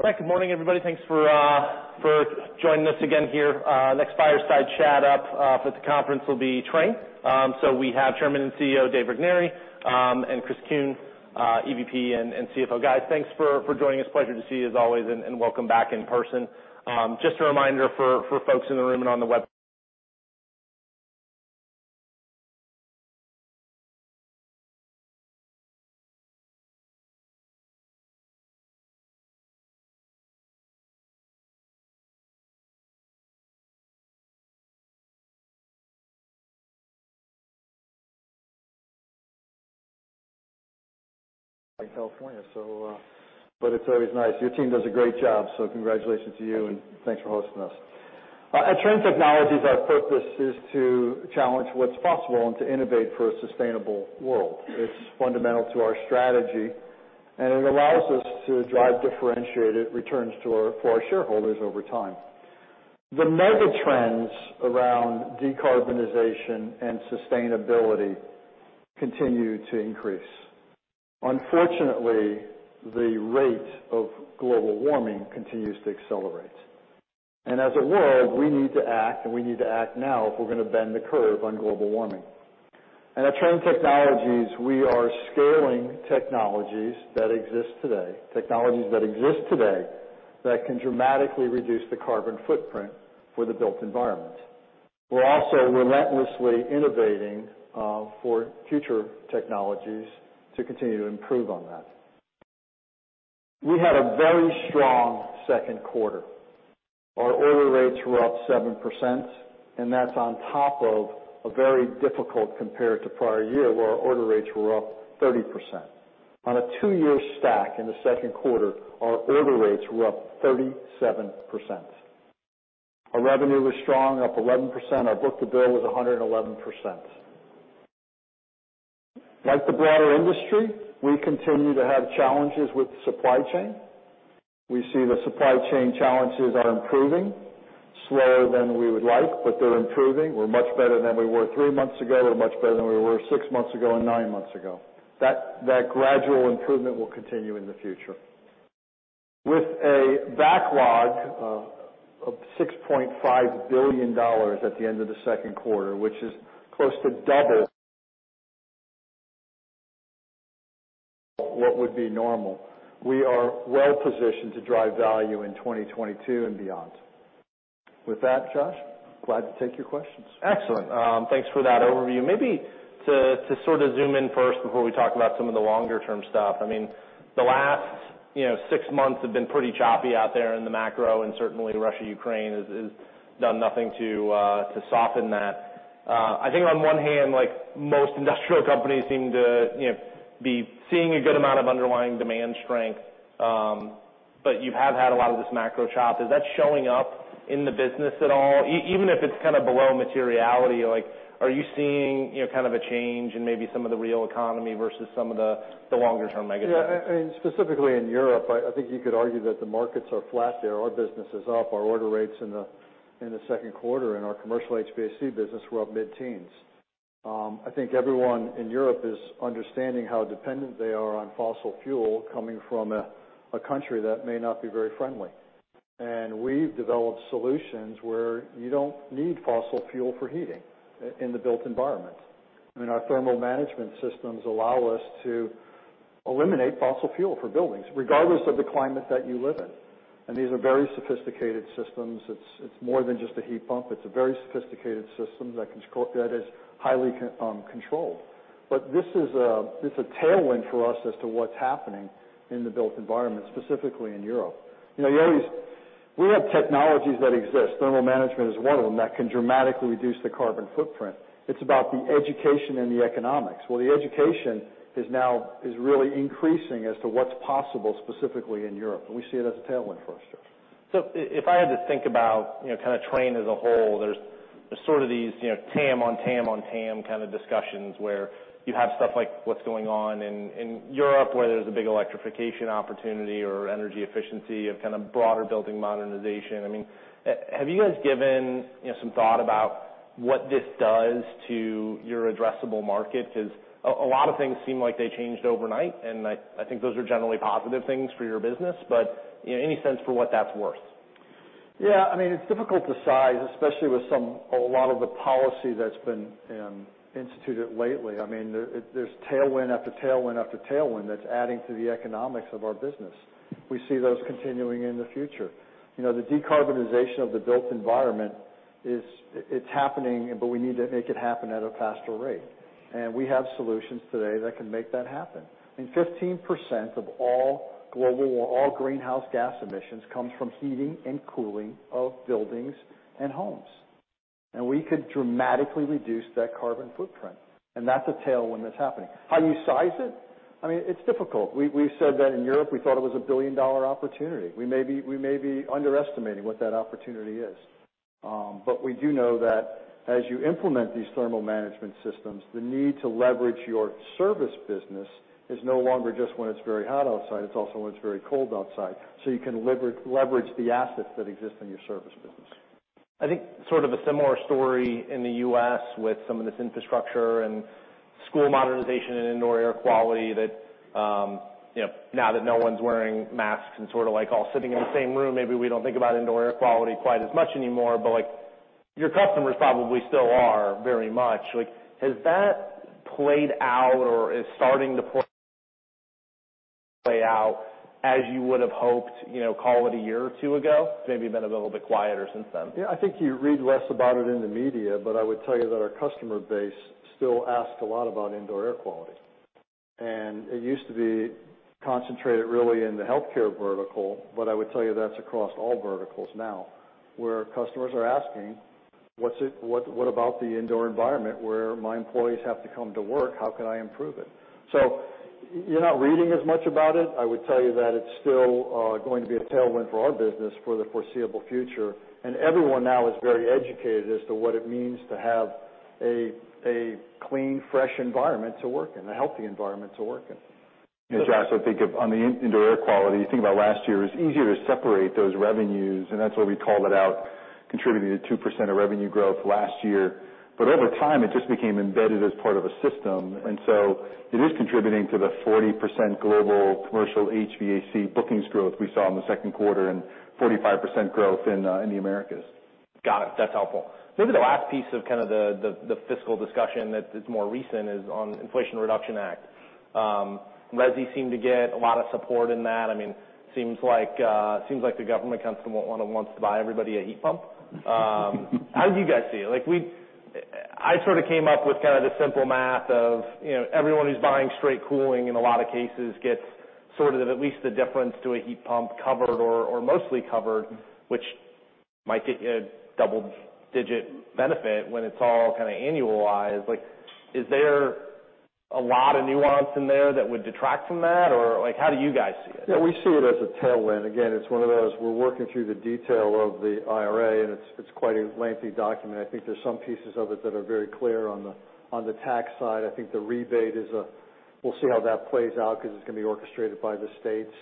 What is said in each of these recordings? All right. Good morning, everybody. Thanks for joining us again here. Next up, fireside chat for the conference will be Trane. We have Chairman and CEO Dave Regnery and Chris Kuehn, EVP and CFO. Guys, thanks for joining us. Pleasure to see you as always, and welcome back in person. Just a reminder for folks in the room and on the web. Like California, so, but it's always nice. Your team does a great job, so congratulations to you, and thanks for hosting us. At Trane Technologies, our purpose is to challenge what's possible and to innovate for a sustainable world. It's fundamental to our strategy, and it allows us to drive differentiated returns for our shareholders over time. The mega trends around decarbonization and sustainability continue to increase. Unfortunately, the rate of global warming continues to accelerate. As a world, we need to act, and we need to act now if we're gonna bend the curve on global warming. At Trane Technologies, we are scaling technologies that exist today that can dramatically reduce the carbon footprint for the built environment. We're also relentlessly innovating for future technologies to continue to improve on that. We had a very strong second quarter. Our order rates were up 7%, and that's on top of a very difficult comparison to prior year, where our order rates were up 30%. On a two-year stack in the second quarter, our order rates were up 37%. Our revenue was strong, up 11%. Our book-to-bill was 111%. Like the broader industry, we continue to have challenges with supply chain. We see the supply chain challenges are improving slower than we would like, but they're improving. We're much better than we were three months ago. We're much better than we were six months ago and nine months ago. That gradual improvement will continue in the future. With a backlog of $6.5 billion at the end of the second quarter, which is close to double what would be normal, we are well positioned to drive value in 2022 and beyond. With that, Josh, glad to take your questions. Excellent. Thanks for that overview. Maybe to sort of zoom in first before we talk about some of the longer term stuff. I mean, the last, you know, six months have been pretty choppy out there in the macro, and certainly Russia-Ukraine has done nothing to soften that. I think on one hand, like most industrial companies seem to, you know, be seeing a good amount of underlying demand strength, but you have had a lot of this macro chop. Is that showing up in the business at all? Even if it's kinda below materiality, like are you seeing, you know, kind of a change in maybe some of the real economy versus some of the longer term mega trends? Yeah. I mean, specifically in Europe, I think you could argue that the markets are flat there. Our business is up. Our order rates in the second quarter and our commercial HVAC business were up mid-teens. I think everyone in Europe is understanding how dependent they are on fossil fuel coming from a country that may not be very friendly. We've developed solutions where you don't need fossil fuel for heating in the built environment. I mean, our thermal management systems allow us to eliminate fossil fuel for buildings, regardless of the climate that you live in. These are very sophisticated systems. It's more than just a heat pump. It's a very sophisticated system that is highly controlled. This is a tailwind for us as to what's happening in the built environment, specifically in Europe. You know, we have technologies that exist, thermal management is one of them, that can dramatically reduce the carbon footprint. It's about the education and the economics. Well, the education is really increasing as to what's possible, specifically in Europe. We see it as a tailwind for us, Josh. If I had to think about, you know, kinda Trane as a whole, there's sort of these, you know, TAM on TAM on TAM kind of discussions where you have stuff like what's going on in Europe where there's a big electrification opportunity or energy efficiency of kinda broader building modernization. I mean, have you guys given, you know, some thought about what this does to your addressable market? 'Cause a lot of things seem like they changed overnight, and I think those are generally positive things for your business. But, you know, any sense for what that's worth? Yeah. I mean, it's difficult to size, especially with a lot of the policy that's been instituted lately. I mean, there's tailwind after tailwind after tailwind that's adding to the economics of our business. We see those continuing in the future. You know, the decarbonization of the built environment it's happening, but we need to make it happen at a faster rate. We have solutions today that can make that happen. 15% of all global or all greenhouse gas emissions comes from heating and cooling of buildings and homes, and we could dramatically reduce that carbon footprint. That's a tailwind that's happening. How you size it, I mean, it's difficult. We've said that in Europe, we thought it was a billion-dollar opportunity. We may be underestimating what that opportunity is. We do know that as you implement these thermal management systems, the need to leverage your service business is no longer just when it's very hot outside. It's also when it's very cold outside, so you can leverage the assets that exist in your service business. I think sort of a similar story in the U.S. with some of this infrastructure and school modernization and indoor air quality that, you know, now that no one's wearing masks and sort of like all sitting in the same room, maybe we don't think about indoor air quality quite as much anymore. Like, your customers probably still are very much. Like, has that played out or is starting to play out as you would have hoped, you know, call it a year or two ago? Maybe been a little bit quieter since then. Yeah, I think you read less about it in the media, but I would tell you that our customer base still asks a lot about indoor air quality. It used to be concentrated really in the healthcare vertical, but I would tell you that's across all verticals now, where customers are asking, "What about the indoor environment where my employees have to come to work? How can I improve it?" You're not reading as much about it. I would tell you that it's still going to be a tailwind for our business for the foreseeable future. Everyone now is very educated as to what it means to have a clean, fresh environment to work in, a healthy environment to work in. Yeah, Josh, I think, on the indoor air quality, you think about last year, it was easier to separate those revenues, and that's why we called it out, contributing to 2% of revenue growth last year. Over time, it just became embedded as part of a system. It is contributing to the 40% global commercial HVAC bookings growth we saw in the second quarter and 45% growth in the Americas. Got it. That's helpful. Maybe the last piece of kind of the fiscal discussion that is more recent is on Inflation Reduction Act. Resi seemed to get a lot of support in that. I mean, seems like the government kind of wants to buy everybody a heat pump. How do you guys see it? Like, I sort of came up with kind of the simple math of, you know, everyone who's buying straight cooling in a lot of cases gets sort of at least the difference to a heat pump covered or mostly covered, which might get you a double-digit benefit when it's all kinda annualized. Like, is there a lot of nuance in there that would detract from that? Or, like, how do you guys see it? Yeah, we see it as a tailwind. Again, it's one of those we're working through the detail of the IRA, and it's quite a lengthy document. I think there's some pieces of it that are very clear on the tax side. I think the rebate is a, we'll see how that plays out because it's gonna be orchestrated by the states.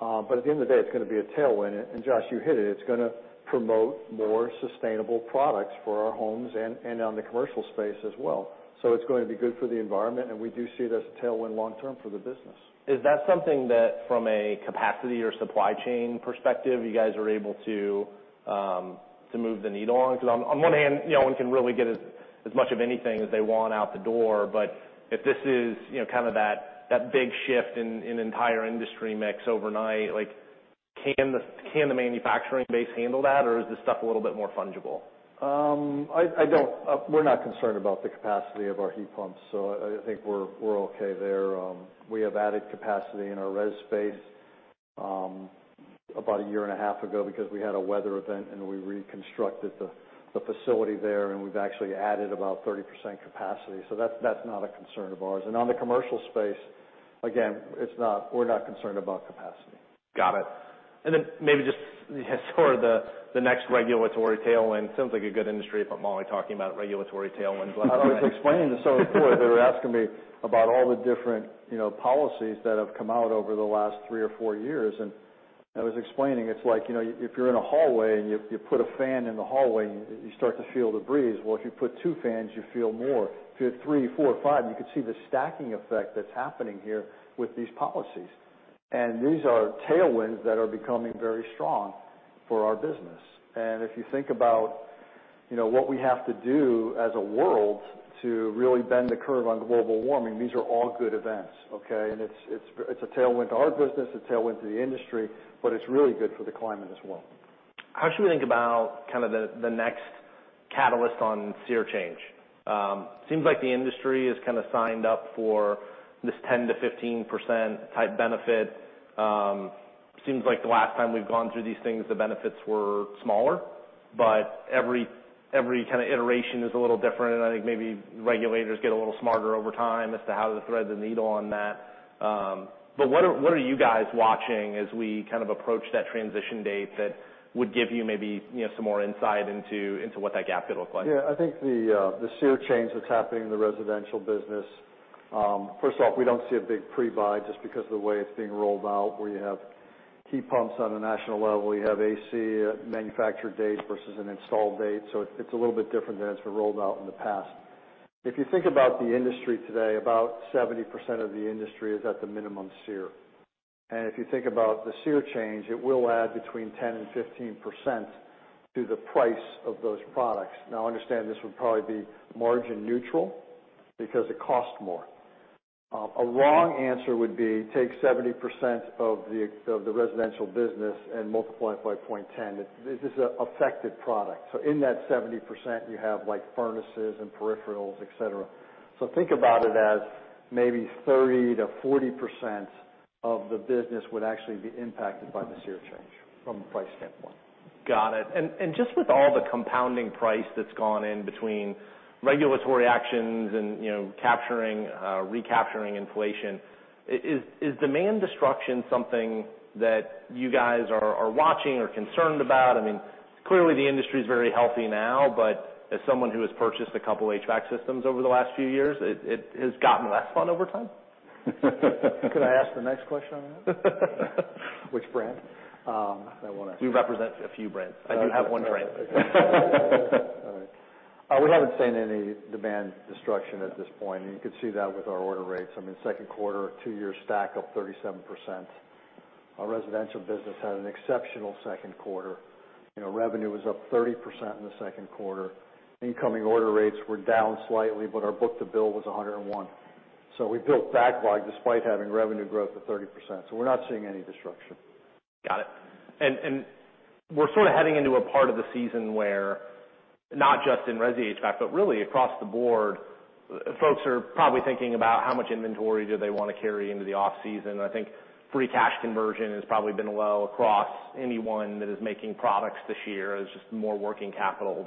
But at the end of the day, it's gonna be a tailwind. Josh, you hit it. It's gonna promote more sustainable products for our homes and on the commercial space as well. It's going to be good for the environment, and we do see it as a tailwind long term for the business. Is that something that from a capacity or supply chain perspective, you guys are able to move the needle on? 'Cause on one hand, no one can really get as much of anything as they want out the door. If this is, you know, kind of that big shift in entire industry mix overnight, like, can the manufacturing base handle that, or is this stuff a little bit more fungible? We're not concerned about the capacity of our heat pumps, so I think we're okay there. We have added capacity in our res space about a year and a half ago because we had a weather event, and we reconstructed the facility there, and we've actually added about 30% capacity. That's not a concern of ours. On the commercial space, again, it's not. We're not concerned about capacity. Got it. Maybe just sort of the next regulatory tailwind. Seems like a good industry if I'm only talking about regulatory tailwinds last. I was explaining this earlier today. They were asking me about all the different, you know, policies that have come out over the last three or four years. I was explaining it's like, you know, if you're in a hallway and you put a fan in the hallway and you start to feel the breeze. Well, if you put two fans, you feel more. If you had three, four, five, you could see the stacking effect that's happening here with these policies. These are tailwinds that are becoming very strong for our business. If you think about, you know, what we have to do as a world to really bend the curve on global warming, these are all good events, okay? It's a tailwind to our business, a tailwind to the industry, but it's really good for the climate as well. How should we think about kind of the next catalyst on SEER change? Seems like the industry has kind of signed up for this 10%-15% type benefit. Seems like the last time we've gone through these things, the benefits were smaller, but every kind of iteration is a little different. I think maybe regulators get a little smarter over time as to how to thread the needle on that. What are you guys watching as we kind of approach that transition date that would give you maybe, you know, some more insight into what that gap could look like? Yeah. I think the SEER change that's happening in the residential business, first off, we don't see a big pre-buy just because of the way it's being rolled out, where you have heat pumps on a national level, you have AC manufacture date versus an install date. It's a little bit different than it's been rolled out in the past. If you think about the industry today, about 70% of the industry is at the minimum SEER. If you think about the SEER change, it will add between 10%-15% to the price of those products. Now understand this would probably be margin neutral because it costs more. A wrong answer would be take 70% of the residential business and multiply it by 0.10%. This is an affected product. In that 70%, you have, like, furnaces and peripherals, et cetera. Think about it as maybe 30%-40% of the business would actually be impacted by the SEER change from a price standpoint. Got it. Just with all the compounding price that's gone in between regulatory actions and, you know, capturing, recapturing inflation, is demand destruction something that you guys are watching or concerned about? I mean, clearly, the industry is very healthy now, but as someone who has purchased a couple HVAC systems over the last few years, it has gotten less fun over time. Could I ask the next question on that? Which brand? We represent a few brands. I do have one drink. All right. We haven't seen any demand destruction at this point, and you could see that with our order rates. I mean, second quarter, two-year stack up 37%. Our residential business had an exceptional second quarter. You know, revenue was up 30% in the second quarter. Incoming order rates were down slightly, but our book-to-bill was 101. We built backlog despite having revenue growth to 30%, so we're not seeing any disruption. Got it. We're sort of heading into a part of the season where, not just in resi HVAC, but really across the board, folks are probably thinking about how much inventory do they wanna carry into the off-season. I think free cash conversion has probably been well across anyone that is making products this year. There's just more working capital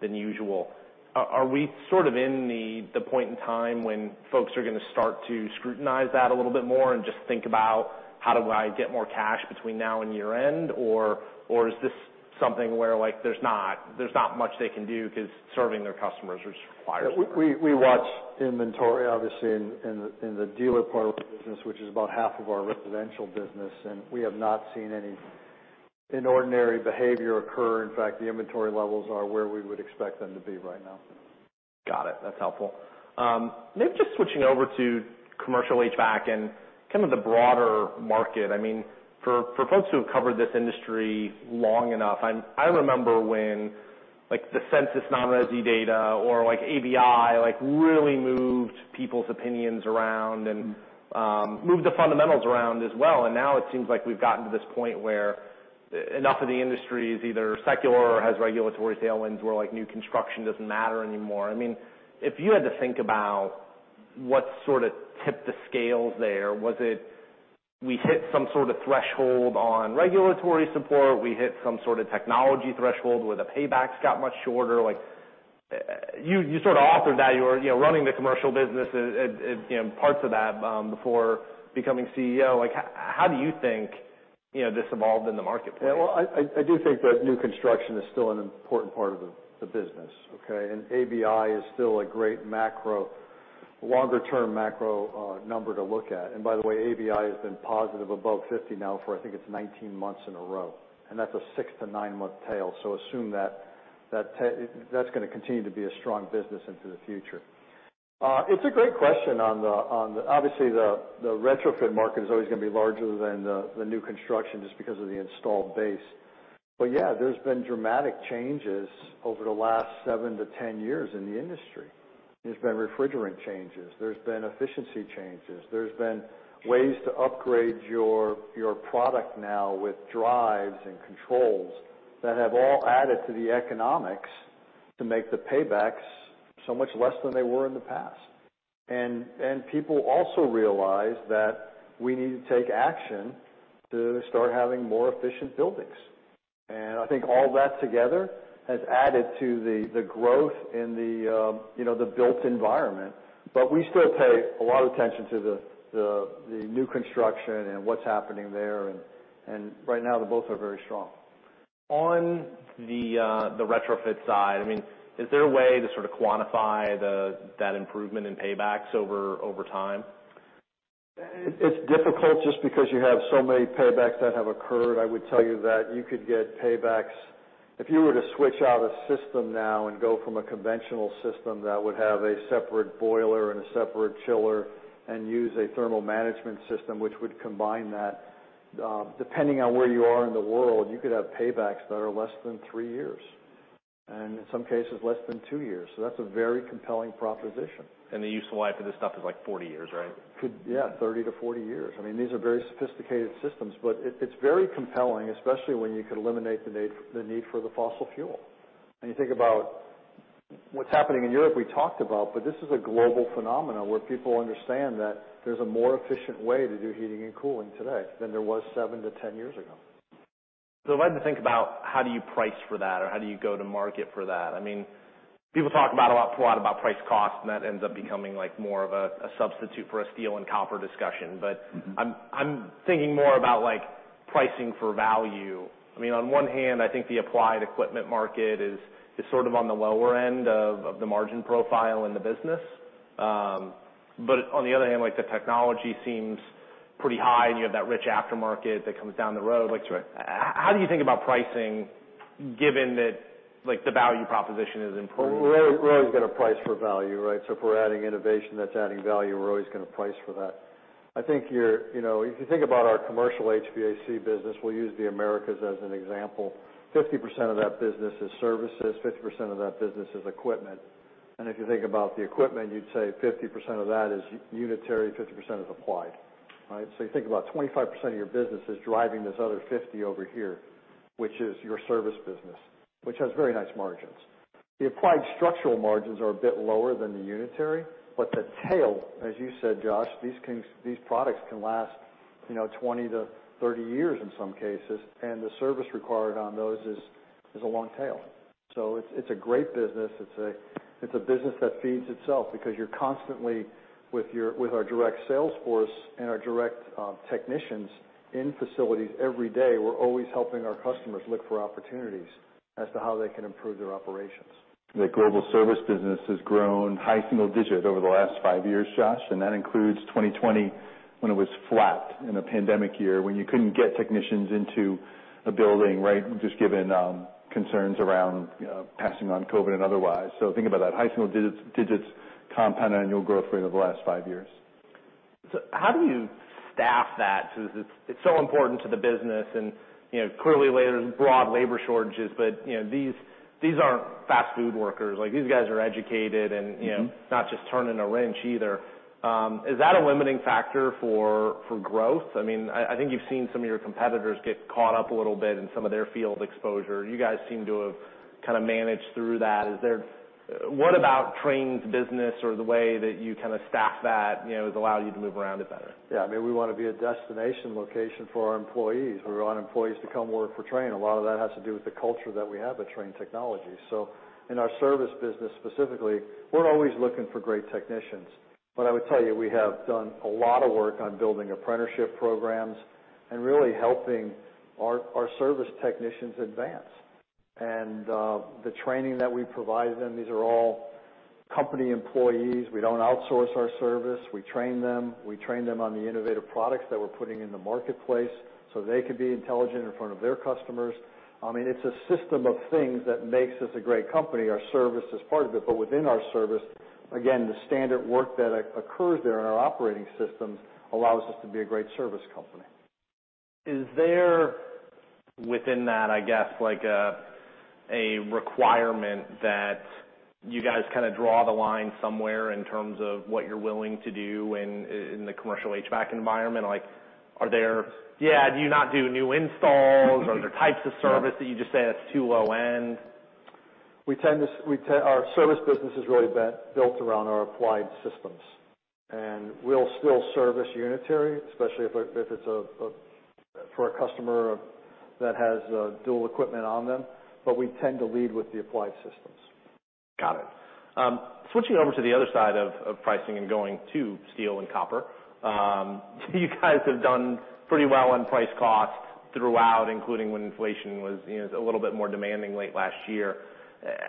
than usual. Are we sort of in the point in time when folks are gonna start to scrutinize that a little bit more and just think about how do I get more cash between now and year-end? Or is this something where, like, there's not much they can do 'cause serving their customers is required? We watch inventory, obviously, in the dealer part of the business, which is about half of our residential business, and we have not seen any extraordinary behavior occur. In fact, the inventory levels are where we would expect them to be right now. Got it. That's helpful. Maybe just switching over to commercial HVAC and kind of the broader market. I mean, for folks who have covered this industry long enough, I remember when, like, the census non-resi data or, like, ABI, like, really moved people's opinions around and moved the fundamentals around as well. Now it seems like we've gotten to this point where enough of the industry is either secular or has regulatory tailwinds where, like, new construction doesn't matter anymore. I mean, if you had to think about what sorta tipped the scales there, was it we hit some sort of threshold on regulatory support? We hit some sort of technology threshold where the paybacks got much shorter? Like, you sort of authored that. You were, you know, running the commercial business at, you know, parts of that before becoming CEO. Like, how do you think, you know, this evolved in the marketplace? Yeah. Well, I do think that new construction is still an important part of the business, okay? ABI is still a great macro, longer-term macro, number to look at. By the way, ABI has been positive above 50 now for I think it's 19 months in a row, and that's a six to nine-month tail, so assume that's gonna continue to be a strong business into the future. It's a great question. Obviously, the retrofit market is always gonna be larger than the new construction just because of the installed base. Yeah, there's been dramatic changes over the last seven to 10 years in the industry. There's been refrigerant changes. There's been efficiency changes. There's been ways to upgrade your product now with drives and controls that have all added to the economics to make the paybacks so much less than they were in the past. People also realize that we need to take action to start having more efficient buildings. I think all that together has added to the growth in the, you know, the built environment. We still pay a lot of attention to the new construction and what's happening there, and right now they both are very strong. On the retrofit side, I mean, is there a way to sort of quantify that improvement in paybacks over time? It's difficult just because you have so many paybacks that have occurred. I would tell you that you could get paybacks. If you were to switch out a system now and go from a conventional system that would have a separate boiler and a separate chiller and use a thermal management system which would combine that, depending on where you are in the world, you could have paybacks that are less than three years, and in some cases less than two years. That's a very compelling proposition. The useful life of this stuff is, like, 40 years, right? Yeah, 30 to 40 years. I mean, these are very sophisticated systems, but it's very compelling, especially when you could eliminate the need for the fossil fuel. When you think about what's happening in Europe, we talked about, but this is a global phenomenon where people understand that there's a more efficient way to do heating and cooling today than there was seven to 10 years ago. If I had to think about how do you price for that or how do you go to market for that, I mean, people talk a lot about price cost, and that ends up becoming, like, more of a substitute for a steel and copper discussion. But I'm thinking more about, like, pricing for value. I mean, on one hand, I think the applied equipment market is sort of on the lower end of the margin profile in the business. But on the other hand, like, the technology seems pretty high, and you have that rich aftermarket that comes down the road. That's right. How do you think about pricing given that, like, the value proposition is improving? We're always gonna price for value, right? So if we're adding innovation that's adding value, we're always gonna price for that. I think, you know, if you think about our commercial HVAC business, we'll use the Americas as an example. 50% of that business is services. 50% of that business is equipment. If you think about the equipment, you'd say 50% of that is unitary, 50% is applied, right? You think about 25% of your business is driving this other 50% over here, which is your service business, which has very nice margins. The applied structural margins are a bit lower than the unitary, but the tail, as you said, Josh, these things can last, you know, 20 to 30 years in some cases, and the service required on those is a long tail. It's a great business. It's a business that feeds itself because you're constantly with our direct sales force and our direct technicians in facilities every day, we're always helping our customers look for opportunities as to how they can improve their operations. The global service business has grown high single-digit over the last five years, Josh, and that includes 2020 when it was flat in a pandemic year when you couldn't get technicians into a building, right? Just given concerns around passing on COVID and otherwise. Think about that high single-digits compound annual growth rate over the last five years. How do you staff that? It's so important to the business and, you know, clearly there's broad labor shortages, but, you know, these aren't fast food workers. Like, these guys are educated and, you know, not just turning a wrench either. Is that a limiting factor for growth? I mean, I think you've seen some of your competitors get caught up a little bit in some of their field exposure. You guys seem to have kind of managed through that. What about Trane's business or the way that you kind of staff that, you know, has allowed you to move around it better? Yeah. I mean, we wanna be a destination location for our employees. We want employees to come work for Trane. A lot of that has to do with the culture that we have at Trane Technologies. In our service business specifically, we're always looking for great technicians. I would tell you, we have done a lot of work on building apprenticeship programs and really helping our service technicians advance. The training that we provide them. These are all company employees. We don't outsource our service. We train them. We train them on the innovative products that we're putting in the marketplace, so they can be intelligent in front of their customers. I mean, it's a system of things that makes us a great company. Our service is part of it, but within our service, again, the standard work that occurs there in our operating systems allows us to be a great service company. Is there within that, I guess, like a requirement that you guys kind of draw the line somewhere in terms of what you're willing to do in the commercial HVAC environment? Like, are there? Yeah, do you not do new installs? Are there types of service that you just say that's too low end? Our service business has really built around our applied systems, and we'll still service unitary, especially if it's for a customer that has dual equipment on them, but we tend to lead with the applied systems. Got it. Switching over to the other side of pricing and going to steel and copper, you guys have done pretty well on price cost throughout, including when inflation was, you know, a little bit more demanding late last year.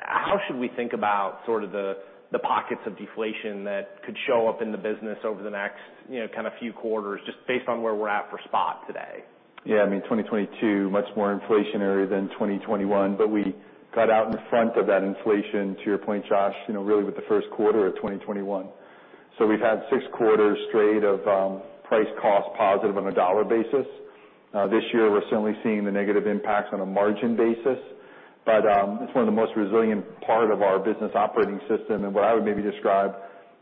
How should we think about sort of the pockets of deflation that could show up in the business over the next, you know, kind of few quarters, just based on where we're at for spot today? Yeah. I mean, 2022, much more inflationary than 2021, but we got out in front of that inflation, to your point, Josh, you know, really with the first quarter of 2021. We've had six quarters straight of price cost positive on a dollar basis. This year, we're certainly seeing the negative impacts on a margin basis. It's one of the most resilient part of our business operating system, and what I would maybe describe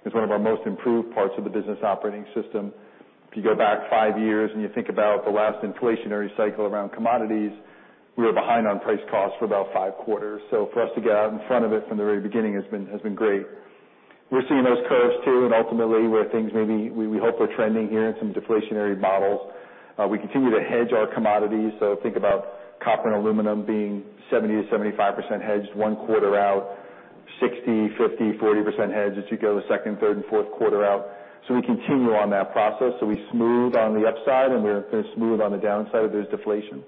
as one of our most improved parts of the business operating system. If you go back five years and you think about the last inflationary cycle around commodities, we were behind on price cost for about five quarters. For us to get out in front of it from the very beginning has been great. We're seeing those curves too, and ultimately, where things may be, we hope are trending here in some deflationary models. We continue to hedge our commodities. Think about copper and aluminum being 70%-75% hedged one quarter out, 60%, 50%, 40% hedged as you go the second, third, and fourth quarter out. We continue on that process. We smooth on the upside, and we're gonna smooth on the downside if there's deflation.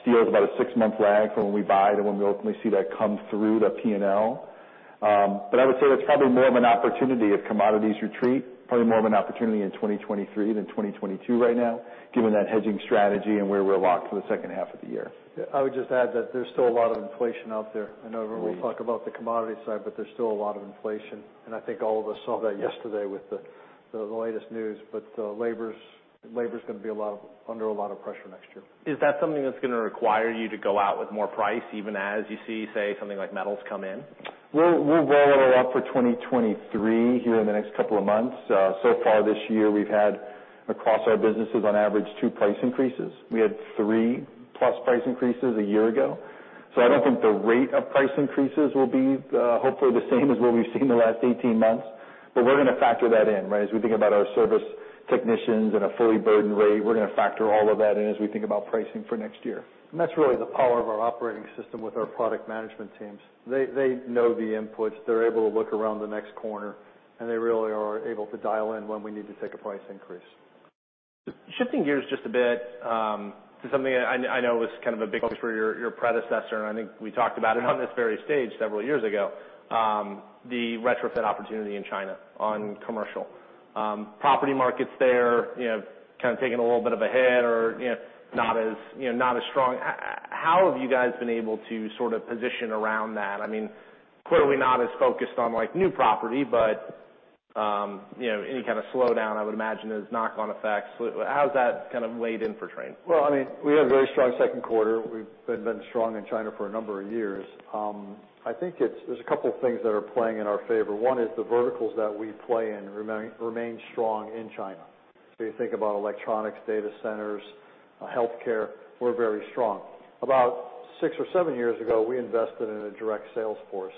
Steel is about a 6-month lag from when we buy to when we ultimately see that come through the P&L. I would say that's probably more of an opportunity if commodities retreat, probably more of an opportunity in 2023 than 2022 right now, given that hedging strategy and where we're locked for the second half of the year. I would just add that there's still a lot of inflation out there. I know everyone will talk about the commodity side, but there's still a lot of inflation. I think all of us saw that yesterday with the latest news. Labor's gonna be under a lot of pressure next year. Is that something that's gonna require you to go out with more price even as you see, say, something like metals come in? We'll roll it up for 2023 here in the next couple of months. So far this year, we've had, across our businesses, on average, two price increases. We had 3+ price increases a year ago. I don't think the rate of price increases will be, hopefully the same as what we've seen the last 18 months. We're gonna factor that in, right? As we think about our service technicians and a fully burdened rate, we're gonna factor all of that in as we think about pricing for next year. That's really the power of our operating system with our product management teams. They know the inputs. They're able to look around the next corner, and they really are able to dial in when we need to take a price increase. Shifting gears just a bit, to something I know was kind of a big focus for your predecessor, and I think we talked about it on this very stage several years ago, the retrofit opportunity in China on commercial property markets there, you know, kind of taking a little bit of a hit or, you know, not as strong. How have you guys been able to sort of position around that? I mean, clearly not as focused on, like, new property, but, you know, any kind of slowdown I would imagine has knock-on effects. How's that kind of laid in for Trane? Well, I mean, we had a very strong second quarter. We've been strong in China for a number of years. I think it's there are a couple things that are playing in our favor. One is the verticals that we play in remain strong in China. You think about electronics, data centers, healthcare, we're very strong. About six or seven years ago, we invested in a direct sales force,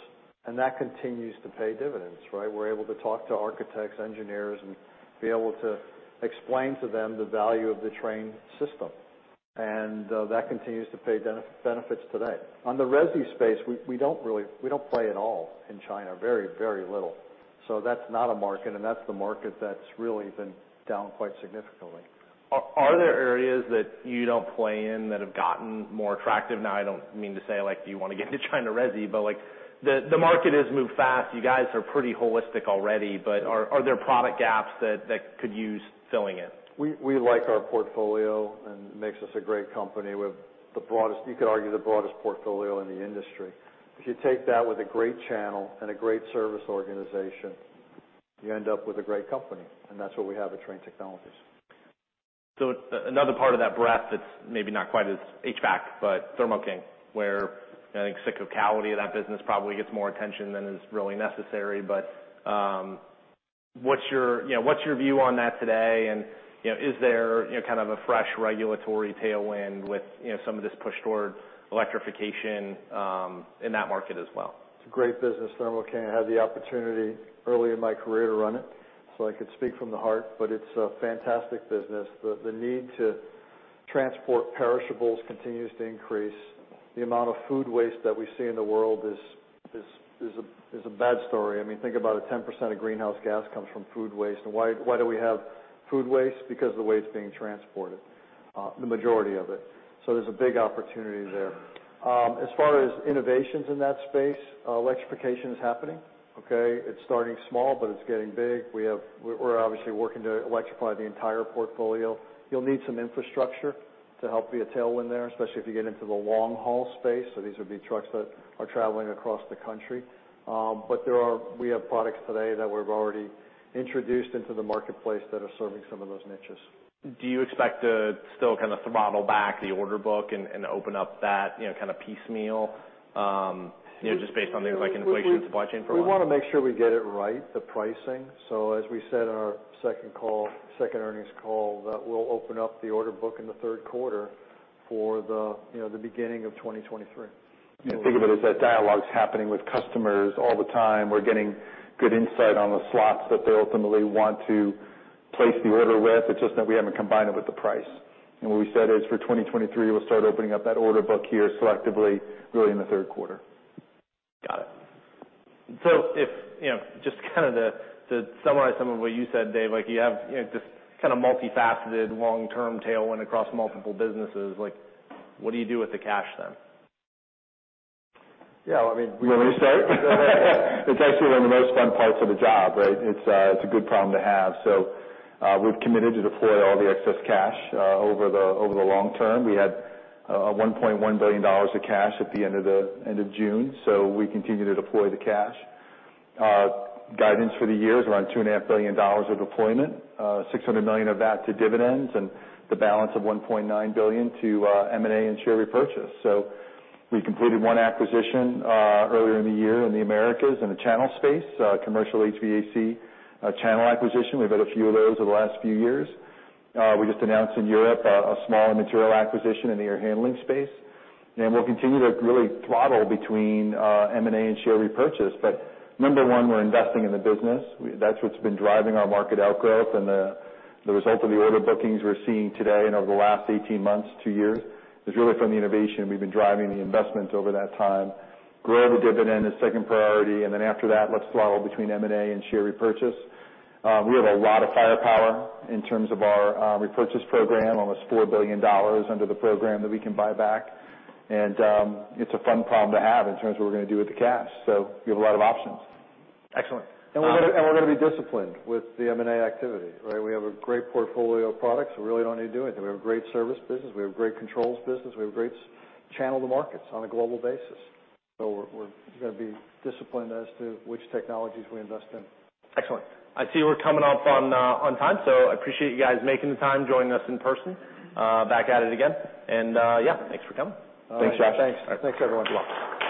and that continues to pay dividends, right? We're able to talk to architects, engineers, and be able to explain to them the value of the Trane system. That continues to pay benefits today. On the resi space, we don't really we don't play at all in China. Very, very little. That's not a market, and that's the market that's really been down quite significantly. Are there areas that you don't play in that have gotten more attractive? Now, I don't mean to say, like, do you wanna get into China resi? Like, the market has moved fast. You guys are pretty holistic already, but are there product gaps that could use filling in? We like our portfolio, and it makes us a great company with the broadest, you could argue, the broadest portfolio in the industry. If you take that with a great channel and a great service organization, you end up with a great company, and that's what we have at Trane Technologies. Another part of that breadth that's maybe not quite as HVAC, but Thermo King, where I think cyclicality of that business probably gets more attention than is really necessary. What's your, you know, what's your view on that today? You know, is there, you know, kind of a fresh regulatory tailwind with, you know, some of this push toward electrification in that market as well? It's a great business, Thermo King. I had the opportunity early in my career to run it, so I could speak from the heart. It's a fantastic business. The need to transport perishables continues to increase. The amount of food waste that we see in the world is a bad story. I mean, think about it, 10% of greenhouse gas comes from food waste. Why do we have food waste? Because the way it's being transported, the majority of it. There's a big opportunity there. As far as innovations in that space, electrification is happening, okay? It's starting small, but it's getting big. We're obviously working to electrify the entire portfolio. You'll need some infrastructure to help be a tailwind there, especially if you get into the long-haul space. These would be trucks that are traveling across the country. We have products today that we've already introduced into the marketplace that are serving some of those niches. Do you expect to still kind of throttle back the order book and open up that, you know, kind of piecemeal, you know, just based on the, like, inflation supply chain? We wanna make sure we get it right, the pricing. As we said in our second call, second earnings call, that we'll open up the order book in the third quarter for the, you know, the beginning of 2023. Think of it as that dialogue's happening with customers all the time. We're getting good insight on the slots that they ultimately want to place the order with. It's just that we haven't combined it with the price. What we said is for 2023, we'll start opening up that order book here selectively really in the third quarter. Got it. If, you know, just kind of to summarize some of what you said, Dave, like you have, you know, just kind of multifaceted long-term tailwind across multiple businesses, like what do you do with the cash then? Yeah, well, I mean. You want me to start? It's actually one of the most fun parts of the job, right? It's a good problem to have. We've committed to deploy all the excess cash over the long term. We had $1.1 billion of cash at the end of June, so we continue to deploy the cash. Guidance for the year is around $2.5 billion of deployment, $600 million of that to dividends, and the balance of $1.9 billion to M&A and share repurchase. We completed one acquisition earlier in the year in the Americas in the channel space, commercial HVAC, channel acquisition. We've had a few of those over the last few years. We just announced in Europe a small material acquisition in the air handling space. We'll continue to really throttle between M&A and share repurchase. Number one, we're investing in the business. That's what's been driving our market outgrowth and the result of the order bookings we're seeing today and over the last 18 months, two years, is really from the innovation we've been driving the investments over that time. Grow the dividend is second priority, and then after that, let's throttle between M&A and share repurchase. We have a lot of firepower in terms of our repurchase program, almost $4 billion under the program that we can buy back. It's a fun problem to have in terms of what we're gonna do with the cash. We have a lot of options. Excellent. We're gonna be disciplined with the M&A activity, right? We have a great portfolio of products. We really don't need to do anything. We have a great service business. We have a great controls business. We have a great channel to markets on a global basis. We're gonna be disciplined as to which technologies we invest in. Excellent. I see we're coming up on time, so I appreciate you guys making the time, joining us in person, back at it again. Yeah, thanks for coming. Thanks, Josh. Thanks, everyone. You're welcome.